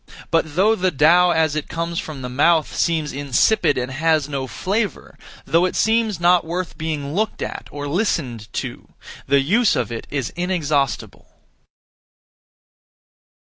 But though the Tao as it comes from the mouth, seems insipid and has no flavour, though it seems not worth being looked at or listened to, the use of it is inexhaustible.